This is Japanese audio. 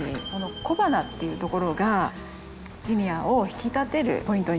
小花っていうところがジニアを引き立てるポイントになります。